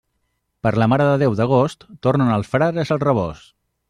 Per la Mare de Déu d'agost, tornen els frares al rebost.